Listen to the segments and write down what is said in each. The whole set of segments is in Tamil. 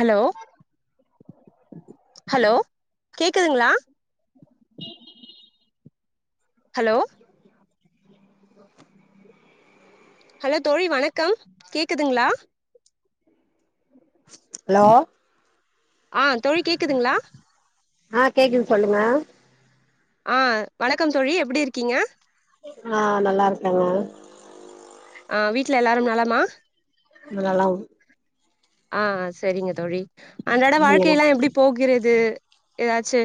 ஹலோ ஹலோ கேக்குதுங்களா [inaudible] ஹலோ ஹலோ தோழி வணக்கம் கேக்குதுங்களா ஹலோ ஆ தோழி கேக்குதுங்களா ஆ கேக்குது சொல்லுங்க ஆ வணக்கம் தோழி எப்டி இருக்கீங்க ஆ நல்லா இருக்கன் நா ஆ வீட்ல எல்லாரும் நலமா நலம் ஆ செரிங்க தோழி அன்றாட நீங்க வாழ்க்கை எல்லா எப்டி போகிறது து ஏதாச்சு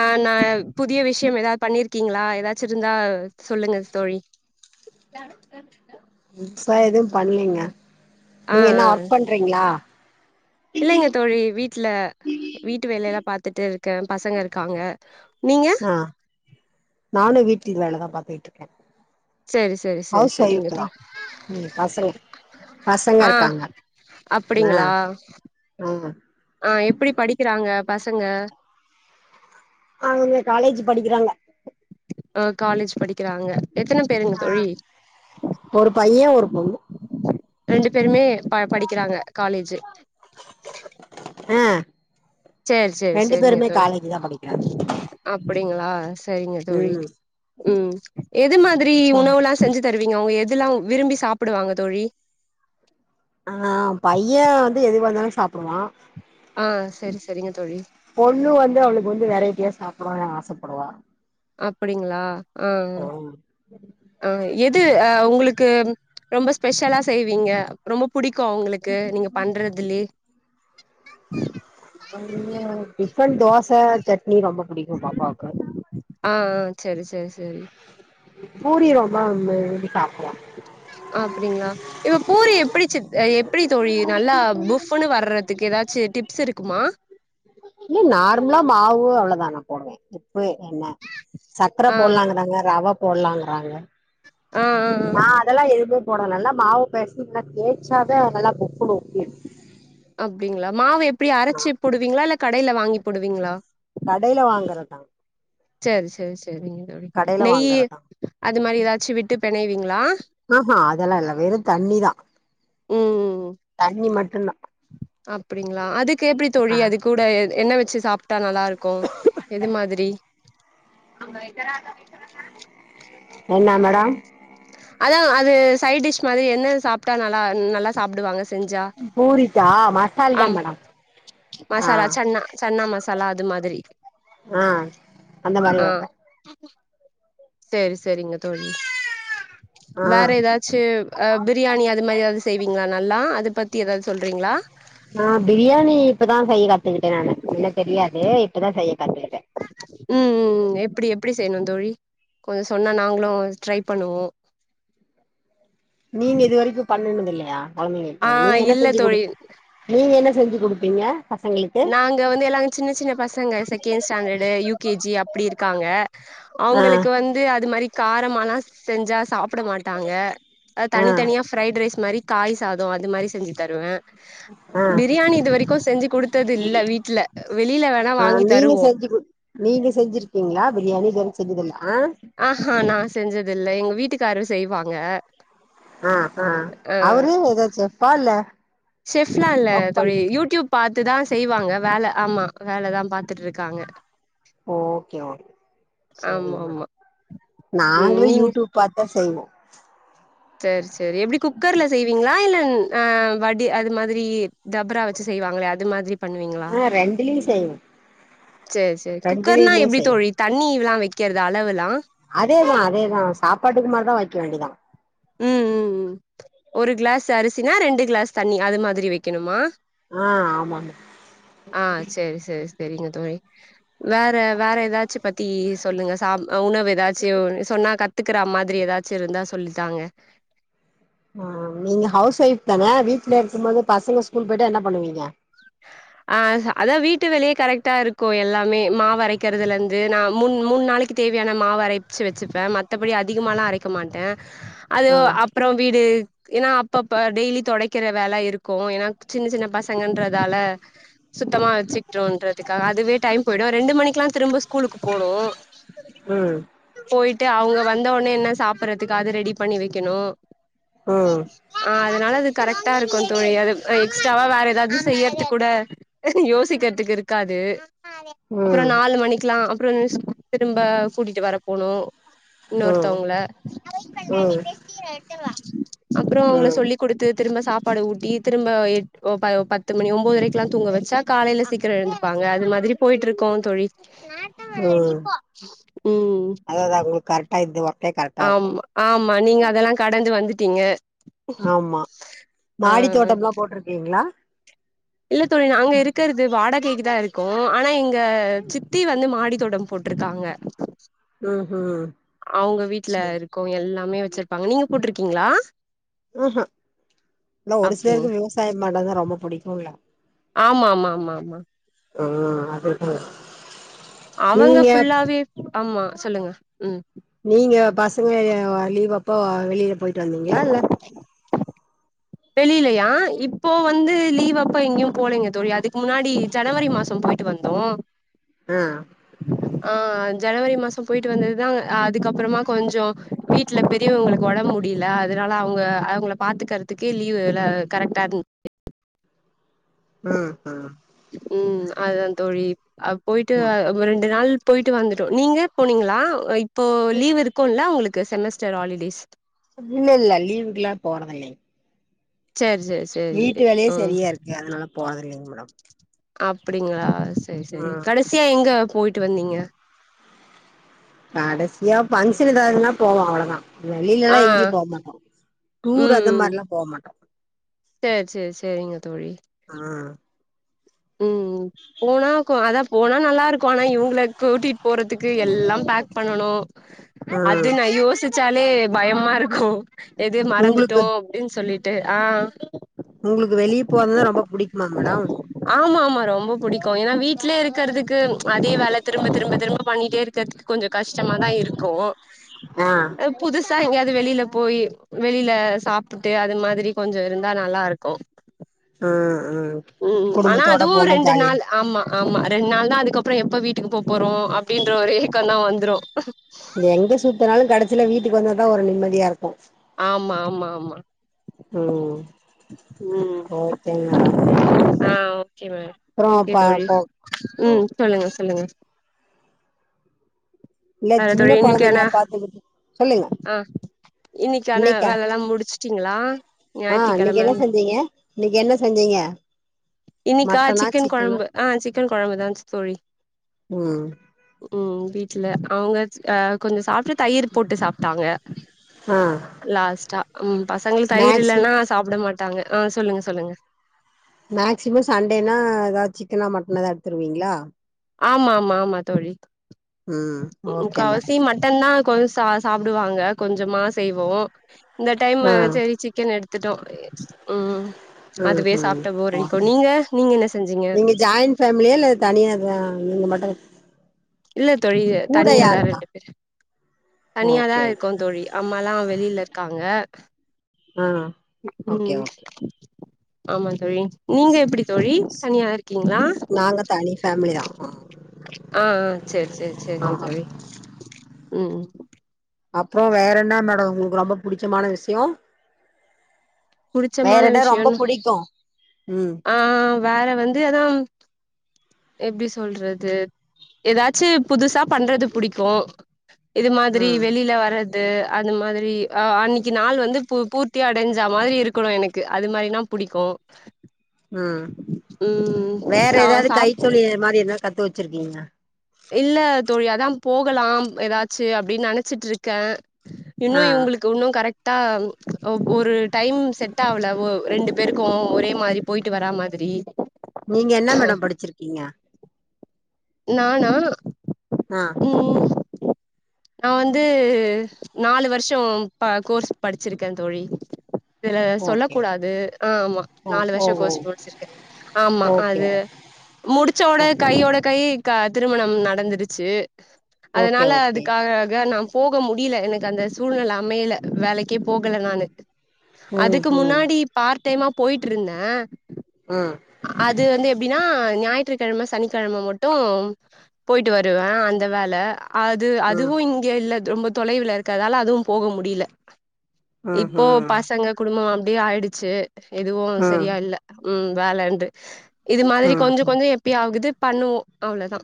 ஆ நா புதிய விஷ் விஷயம் ஏதாது பண்ணிருக்கீங்களா ஏதாச்சும் இருந்தா சொல்லுங்க தோழி நா எதுவும் பண்லீங்க நீங்க என்ன ஒர்க் பண்றீங்ளா இல்லங்க தோழி வீட்ல வீட்டு வேலைலா பாத்துட்டு இருக்கேன் பசங்க இருக்காங்க நீங்க ஆ நானும் வீட்டு வேல தா பாத்துட்ருக்கேன் செரி செரி செரி செரிங்க தோழி ம் பசங்க பசங்க ஆ இருக்காங்க ஆ அப்டிங்களா ஆ ஆ எப்டி படிக்கிறாங்க பசங்க அவங்க காலேஜ் படிக்குறாங்க அ காலேஜ் படிக்கிறாங்க எத்தன பேருங்க ஆ தோழி ஒரு பையன் ஒரு பொன்னு ரெண்டு பேருமே ப படிக்கிறாங்க காலேஜு அ சேரி சேரி சேரிங்க தோழி தா படிக்கிறாங்க அப்டிங்களா செரிங்க தோழி ம் ம் எது மாரி சொல்லுங் உணவுலாம் செஞ்சு தருவீங்க உங்க எதுலாம் விரும்பி சாப்புடுவாங்க தோழி ஆனா பையன் வந்து எது வந்தாலும் சாப்புடுவான் ஆ சரி சரிங்க தோழி பொண்ணு வந்து அவளுக்கு வந்து வெரைட்டியா சாப் படனு ஆசப்படுவா அப்டிங்ளா ஆ [inaudible] ஆ எது ஆ உங்களுக்கு ரொம்ப ஸ்பெஷலா செய்வீங்க ரொம்ப புடிக்கு க்கு அவுங்களுக்கு நீங்க பண்றதுலே டிஃபன் தோச சட்னி ரொம்ப புடிக் க்கு பாப்பாவுக்கு ஆ ஆ செரி செரி செரி பூரி ரொம்ப விரும்பி சாப்பட அப்டிங்ளா இப்ப பூரி எப்டி சித் எப்டி தோழி நல்லா புஃப்ன்னு வறதுக்கு எதாச்சி டிப்ஸ் இருக்குமா இல்ல நார்மலா மாவு அவ்ளோதா நா போடுவன் உப்பு என்ன சக்கர ஆ போடலானுதாங்க ரவ போடலாங்கிறாங்க ஆ ஆ ஆ நா அதெல்லா எது ஒனக்கு நல்லா மாவு பெசஞ்சி நல்லா தேச்சி அப்டிங்ளா மாவு எப்டி ஆ அரச்சி போடுவீங்களா இல்ல கடைல வாங்கி போடுவீங்களா கடையில வாங்கறதா சேரி சேரி சேரிங்க தோழி கடையில நெய் வாங்கறதா அது மாரி எதாச்சி விட்டு பெணைவீங்களா ஆஹா அதெல்லா இல்ல வெறு தண்ணிதா ம் ம் டில்லா அப்டிங்களா அதுக்கு எப்டி தோழி ஆ அது கூட என்ன வச்சி சாப் ட்டா நல்லா இருக்கும் எது மாதிரி என்ன மேடம் அதா அது சைடிஷ் மாரி என்ன சாப்ட்டா நல்லா நல்லா சாப்டுவாங்க செஞ்சா பூரிக்கா மசால் தா ஆமா மேடம் ஆ மசாலா சென்னா சென்னா மசாலா அது மாதிரி ஆ அந்த மாரி ஆ வைப்பே சேரி செரிங்க தோழி ஆ வேற ஏதாச்சு அ பிரியாணி அது மாரி ஏதாவது செய்வீங்ளா நல்லா அது பத்தி ஏதாவது சொல்றீங்ளா ஆ பிரியாணி இப்பதா செய்ய கத்துக்கிட்டே நானு முன்ன தெரியாது இப்பதா செய்ய கத்துக்கிட்டே உம் உம் எப்டி எப்டி செய்யணு தோழி கொஞ்ச சொன்னா நாங்களு ட்ரை பண்ணுவோ நீங்க இது வரைக்கு பண்ண இல்லையா ஆ அவுங்க நீங்க என்ன இல்ல செஞ்சு குடு தோழி நீங்க என்ன செஞ்சு குடுப்பீங்க பசங்களுக்கு நாங்க வந்து எல்லா சின்ன சின்ன பசங்க second standard U K G அப்டி இருக்காங்க ஆ அவுங்களுக்கு வந்து அது மாரி காரமானா செஞ்சா சாப்ட மாட்டாங்க ஆ தனி தனியா ஃபிரைட் ரைஸ் மாரி காய் சாதோ அது மாரி செஞ்சு தருவே ஆ பிரியாணி இது வரைக்கு செஞ்சு குடுத் ஆ நீங்க தருவோ செஞ்சு குடு நீங்க செஞ்சிருக்கீங்ளா பிரியாணி இதுவரையு செஞ்சதில்ல ஆ ஆ ஹா நா செஞ்சது இல்ல எங்க வீட்டுக்காரு செய்வாங்க ஆஹ் ஆஹ் அ அவரு ஏதாச்சு செஃப்பா இல்ல செஃப்லா இல்ல ஒர்க் பண் தோழி யூடியூப் பாத்துதா செய்வாங்க வேல ஆமா வேலதா பாத்துட்டு இருக்காங்க ஓகே ஓகே ஆமா செரிமா ஆமா ம் நாங்களு நீங்க யூடியூப் பாத்தா செய்வோ சேரி சேரி சரி எப்டி குக்கர்ல செய்வீங்ளா இல்லன் அ வடி அது மாதிரி டபரா வச்சு செய்வாங்ளே அது மாதிரி பண்ணுவீங்ளா ஆ ரெண்டுலயு செய்வோ சரி சரி குக்கர்னா ரெண்டுலயுமே எப்டி செய்வோ தோழி தண்ணி எல்லா வெக்குறது அளவெலா அதேதா அதேதா சாப்பாட்டுக்கு மாரிதா வச்சே வக்க வேண்டிதா உம் உம் உம் ஒரு கிளாஸ் அரிசி இதுனா ரெண்டு கிளாஸ் தண்ணி அது மாதிரி வக்கணுமா ஆ ஆமா செரிங்க தோழி வேற வேற ஏதாச்சு பத்தி சொல்லுங்க சாப் உணவு ஏதாச்சு சொன்னா கத் எடுத்துக்கிற மாதிரி ஏதாச்சு இருந்தா சொல்லி தாங்க ஆ நீங்க ஹவுஸ் ஒயப் தானே வீட்ல இருக்கும் போது பசங்க ஸ்கூல் போயிட்டா என்ன பண்ணுவீங்க ஆ அதான் வீட்டு வேலையே கரெக்டா இருக்கு எல்லாமே மாவு அரைக்கிறதுல இருந்து நா முன் மூணு நாளைக்கு தேவையான மாவு அரைச்சு வச்சுப்பேன் மத்தபடி அதிகமாலாம் அரைக்க மாட்டேன் அது ம் அப்றோ வீடு ஏன்னா அப்பப்ப டெய்லி தொடைக்கிற வேலை இருக்கு ஏன்னா சின்ன சின்ன பசங்கன்றதால சுத்தமா வச்சுக்கிட்டோன்றதுக்காக அதுவே டைம் போயிடும் ரெண்டு மணிக்கெல்லாம் திரும்ப ஸ்கூலுக்கு போனும் ம் ட்டு அவங்க வந்தொடனே என்ன சாப்பிடடுறதுக்கு அது ரெடி பண்ணி வைக்கணும் ம் ஆ. அதனால அது கரெக்ட்டா இருக்கும் தோழி அது எக்ஸ்ட்ராவா வேற ஏதாது செய்யட்டு கூட யோசிக்கிறதுக்கு இருக்காது அப்றோ ம் நாலு மணிக்லாம் அப்றோ திரும்ப கூட்டிட்டு வரப்போணு ம் இன்னொருத்தவங்கள ம் அப்றோ அவங்கள ம் சொல்லி குடுத்து திரும்ப சாப்பாடு ஊட்டி திரும்ப எ பத்து மணியும் ஒம்பது அரைக்கு எல்லா தூங்க வச்சா காலையில சீக்கிரம் எழுந்துப்பாங்க அது மாரி போயிட்டு இருக்கோம் தோழி ம் ம் அததா உங்களுக்கு கரெக்டா இந்த ஒர்க்கே கரெக்டா இருக்கு ஆமா ஆம் ஆமா நீங்க அதெல்லா கடந்து வந்துட்டீங்க ஆமா ஆ மாடி தோட்டம் எல்லா போட்டிருக்கீங்களா இல்ல தோழி நாங்க இருக்கிறது வாட கைக்கு தா இருக்கோம் ஆனா எங்க சித்தி வந்து மாடித்தோட்டம் போட்டிருக்காங்க ம் அவுங்க வீட்ல சேரி இருக்கும் எல்லாமே வச்சிருப்பாங்க நீங்க போட்டுருக்கீங்களா ஆஹா அதல்ல ஒரு அப்டின்னு சிலருக்கு விவசாய பண்றது தா ரொம்ப புடிக்கும் லா ஆமா ஆ அவுங்க ஃபுல்லாவே ஆமா சொல்லுங்க ம் நீங்க பசங்க லீவப் ப்போ வெளிய போய்ட்டு வந்தீங்ளா இல்ல வெளிலயா இப்போ வந்து லீவ் அப்ப எங்கேயு போலங்க தோழி அதுக்கு முன்னாடி ஜனவரி மாசோ போயிட்டு வந்தோ ஆ ஆ ஜனவரி மாசோ போயிட்டு வந்ததுதா அதுக்கப்புறமா கொஞ்சொ வீட்ல பெரியவங்களுக்கு ஒடம்பு முடியல்ல அதனால அவுங்க அவுங்கள பாத்துக்கிறத்த பாத்துக்கிறதுக்கே லீவ் இல்ல கரெக்டா ம் ம் ம் அதா தோழி ஆ போயிட்டு ஓகே ரெண்டு நாள் போயிட்டு வந்துட்டோ நீங்க போனிங்ளா இப்போ லீவ் இருக்குல்ல அவுங்களுக்கு இந்த செமஸ்டர் ஹாலிடேஸ் இல்ல இல்ல லீவுக்ல்லா போறது இல்ல சேரி சேரி சேரி வீட்டு வேலயே ம் சரியா இருக்கு அதனால போனது இல்லங்கமா ர [unintelligible] அப்டிங்ளா சரி சரி கடைசியா எங்க போய்ட்டு வந்திங்க சின்னதாரங்களா போவோ அவ்ளோதா வெளில்லலா ஆ எங்கேயு போக மாட்டோ டூர் அந்த ம் மாரில்லா போ மாட்டோ சேரி சேரி சேரிங்க தோழி ம் ம் போனா அதா போனா நல்லா இருக்கு ஆனா இவங்கள கூட்டிட்டு போறதுக்கு எல்லா பேக் பண்ணனு ம் அது நா யோசித்து ச்சாலே பயமா இருக்கு எதயோ மறந்துட்டோ உங்களுக்கு அப்டின்னு சொல்லிட்டு ட்டு ஆ உங்களுக்கு வெளிய போறதுதா ரொம்ப பிடிக்கு ஆமா ஆமா ரொம்ப புடிக்கு ஏன்னா வீட்லே இருக்குறதுக்கு அதே வேலைக்கு திரும்ப திரும்ப திரும்ப பண்ணிட்டே டென்துக்கு கொஞ்ச கஷ்டமா தா இருக்கு ஆ அ புதுசா எங்கையாவது வெளியில போய் வெளில சாப்பிட்டு அது மாதிரி கொஞ்ச இருந்தா நல்லா இருக்கு உ உ ஆனா அதுவு ரெண்டு நாள் ஆமா ஆமா ரெண்டு நாள் தா அதுக்கப்புறோ எப்ப வீட்டுக்கு போ போறோ அப்படின்ற ஒரு ஏக்கோ தா வந்துரு எங்க சுத்துனாலு கடைசில வீட்டுக்கு வந்ததா ஒரு நிம்மதியா இருக் ஆமா ஆமா ஆமா ம் உ ஓகேங் உ மேடம் ஆ ஒகே மேம் அப்றோ ஒகே பா தோழி உ ஓ சொல்லுங்க சொல்லுங்க இல்ல வேற சின்ன தோழி இன்னைக்கான குழந்தைங்க பாத்துக்கிட்டு சொல்லுங்க ஆ இன்னைக்கான இன்னைக்கா வேலலா முடிச்சுட்டீங்களா ஆ ஞாயித்தி இன்னைக்கு கெழம என்ன செஞ்சீங்க இன்னைக்கு என்ன செஞ்சீங்க இன்னனைக்கா மட்டனா சிக்கன் சிக்கனா கொழம்பு ஆ சிக்கன் குழம்புதா தோழி ம் உ வீட்டுல அவங்க கொஞ்சம் சாப்ட்டு தயிர் போட்டு சாப்ட்டாங்க ஆ லாஸ்டா உ பசங்கள் தயிர் மேக்ஸி இல்லனா சாப் சொல்ல மாட்டாங்க ஆ சொல்லுங்க சொல்லுங்க மேக்சிமோ சண்டேனா ஏதாவது சிக்கனா மட்டனா ஏதாவது எடுத்துடுவீங்களா ஆமா மா மா மா தோழி ம் உ ஓகே மேடம் முக்காவாசி மட்டன்னா கொஞ் சா சாப்பிடுவாங்க கொஞ்சமா செய்வோ இந்த டைம் ஆ சரி சிக்கன் எடுத் த்துடோ உ ஆ ஹா நீங்க என்ன செஞ்சீங்க நீங்க ஜாய்ன் ஃபேமிலியா இல்ல தனியா தா நீங்க மட்ட இல்ல தோழி தனியாதா ரெண்டு பேரு தனியாதா ஓகே ஓகே இருக்கோ தோழி அம்மாலா வெளில இருக்காங்க ஆ ஓகே ம் ஓகே ஆமா தோழி நீங்க எப்படி தோழி தனியா இருக்கீங்களா நாங்க தனி ஃபேமிலி தா ஆ ஆ சரி சரி சரிங்க ஆமா தோழி உ அப்றோ வேற என்ன மேடம் உங்களுக்கு ரொம்ப புடிச்சமான விஷயோ வேற புடிச்சமான இடம் ரொம்ப விஷயோனு புடிக்கு ம் ஆ வேற வந்து அதா எப்டி சொல்றது ஏதாச்சும் புதுசா பண்றது புடிக்கும் இது மாதிரி ம் வெளியில வர து அந்த மாதிரி அ அன்னக்கி நாள் வந்து பூ பூர்த்தி அடஞ்சா மாதிரி இருக்கணும் எனக்கு அது மாரினா புடிக்கும் ம் வேற சா ஏதாது கை சாப் சொல்லி மாரி என்ன கத்து வச்சிருக்கீங்க இல்ல தோழி அதா போகலாம் ஏதாச்சு அப்டின்னு நெனச்சிட்டு இருக்கே ஆ இன்னும் இவுங்களுக்கு இன்னும் கரெக்ட் கரெக்டா ஒரு டைம் செட் ஆவல ஒ ரெண்டு பேருக்கும் ஒரே மாரி போயிட்டு வர மாதிரி நீங்க என்ன மேடம் படிச்சிருக்கீங்க நானா ஆ ம் நா வந்து நாலு வருஷம் கோர்ஸ் படிச்சிருக்கே தோழி இது சொல்ல ஓகே கூடாது ஆ ஆமா ஓ நாலு ஓ வருஷம் ஓ கோர்ஸ் முடிச்சிருக்கே ஆமா ஓகே அது முடிச்சோடன ஓகே கையோட கே திருமணம் நடந்துருச்சு ஓகே அதனால ஓகே அதுக்காக நம் போக முடில எனக்கு அந்த சூழ்நில அமையல வேலக்கே போகல நானு ம் அதுக்கு ம் முன்னாடி பார் பார்ட் டைமா போயிட்டு இருந்தேன் ம் அது வந்து எப்டின்னா ஞாயிற்றுக்கிழம சனிக்கிழம மட்டும் போயிட்டு வருவேன் அந்த வேல அது ம் அதுவும் இங்க இல்ல ரொம்ப தொலைவுல இருக்கதால அதுவும் போக முடில இப்போ ம் பசங்க குடும்பம் அப் அப்டியே ஆயிடுச்சு எதுவும் ம் செரியா இல்ல ம் வேலண்டு இது மாரி ம் கொஞ்சம் ம் கொஞ்சம் எப்ப ஆகுது பண்ணுவோம் அவ்ளதா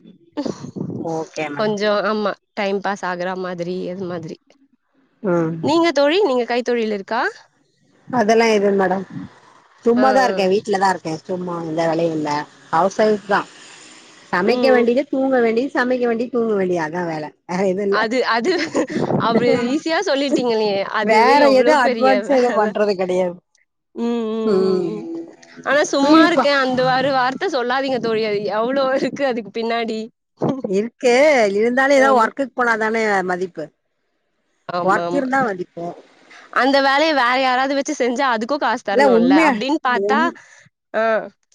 ஓகே மேடம் கொஞ்சம் ஆமா டைம் பாஸ் ஆகுற மாதிரி எது மாதிரி ம் நீங்க தோழி நீங்க கை தொழில் இருக்கா அதெல்லா எதும் மேடம் ஆ சும்மாதா ஆ இருக்கே வீட்லதா இருக்கே சும்மா எந்த வேலயு இல்ல ஹவுஸ் ஒய்ஃப் தா சமைக்க ம் வேண்டியது தூங்க வேண்டியது சமைக்க வேண்டியது தூங்க வேண்டியது அதா வேல வேற எதுவு இல்ல அது அதுவே அப்டி ஈஸியா சொல்லிட்டீங்க அதுவே எவ்ளோ பெரிய வேல கெடயாது ம் ம் ம் ம் உம் ஆனா சும்மா விளிப்பா இருக்கே அந்த ஒரு வார்த்த சொல்லாதீங்க தோழி அவ்ளோ இருக்கு அதுக்கு பின்னாடி இருக்கு இருந்தாலு ஏதாவது ஆமா ஒர்க்கு போனாதான மதிப்பு ஆமா ஒர்க் ஆமா இருந்தா மதிப்பு அந்த வேலய வேற யாராவது வச்சு செஞ்சா அதுக்கு காசு இல்ல தரணுல்ல உண்மையா அப்டின் பாத்தா உண் ஆ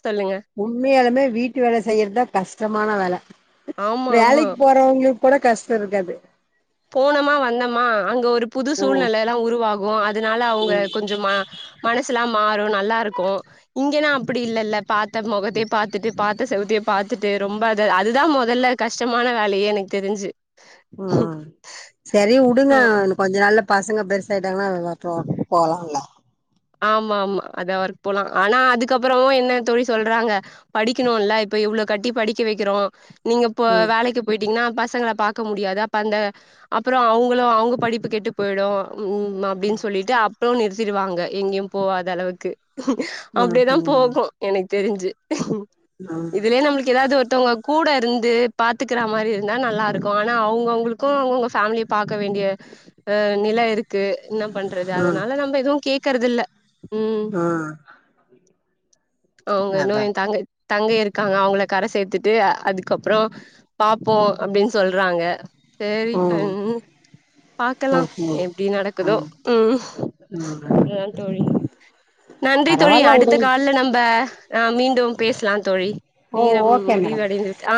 சொல்லுங்க உண்மையாலுமே வீட்டு வேல செய்யுறதா கஷ்டமான வேல ஆமா ஆமா வேலைக்கு போறவங்களுக் கூட கஷ்டோ இருக்காது போனமா வந்தமா அங்க ஒரு புது ம் சூழ்நெல எல்லா உருவாகு அதனால அவுங்க கொஞ்ச மனசுல்லா மாறு நல்லா இருக்கு இங்கன்னா அப்டி இல்லல்ல பா த்த மொகத்த பாத்துட்டு பாத் செவத்த பாத்துட்டு ரொம்ப அத அதுதா மொதல்ல கஷ்டமான வேலயே எனக்கு தெரிஞ்சு உம் சரி உடுங்க ஆ ஆ கொஞ்ச நாள் ல்ல பசங்க பெருசாயி [unintelligible] போலால ஆமா ஆமா அத ஒர்க போலா ஆனா அதுக்கப்புறமும் என்ன தோழி சொல்றாங்க படிக்கணுல்ல இப்ப இவ்ளோ கட்டி படிக்க வக்கிறோம் நீங்க இப்ப ம் வேலைக்கு போயிட்டீங்கனா பசங் பசங்கள பாக்க முடியாது அப்ப அந்த அப்றோ அவுங்களு அவுங்க படிப்பு கெட்டு போயிடு ம்ம் அப்டின்னு சொல்லிட்டு அப்றோ நிறுத்திடுவாங்க எங்கியும் போவாத அளவுக்கு ம் அப்டிதான் ம் போகும் எனக் தெரிஞ்சு ம் இதுலயே நம்ளுக்கு ஏதாது ஒருத்தங்க கூட இருந்து பாத்துக்ற மாரி இருந்தா நல்லருக்கும் ஆனா அவுங்க கவுங்களுக்கும் அவங்கவுங்க ஃபேமிலிய பாக்க வேண்டிய நில இருக்கு என்ன பண்றது ம் அதுனால நம்ம எதுவும் கேக் கறது இல்ல ம் அவுங்க அதா இன்னு தாங்க தங்கை இருக்காங்க அவுங்கள கர சேத்துட்டு அதுக்கப்றோம் பாப்போம் அப்டின் சொல்றாங்க [unintelligible] சேரி ம் ம்ம் பாக்கலா ஓகே எப்டி நடக்குதோ ம் ம் அதா தோழி நன்றி தோழி பரவால்ல அடுத்த உடுங்க கால்ல நம்ம ஆ மீண்டும் பேசலாம் தோழி ஓ நேரம் ஓகே முடிவு மேடம் அடைந்துட்